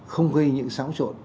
không gây những sáo trộn